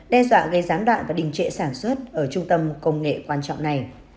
đe dọa gây gián đoạn và đình trệ sản xuất ở trung tâm công nghệ quan trọng này